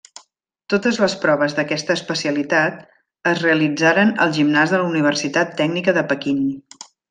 Totes les proves d'aquesta especialitat es realitzaren al Gimnàs de la Universitat Tècnica de Pequín.